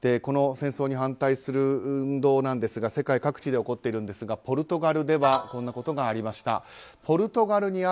戦争に反対する運動なんですが世界各地で起こっているんですがポルトガルではこんなことがありました。